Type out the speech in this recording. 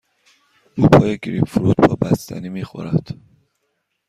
او پای گریپ فروت با بستنی می خورد.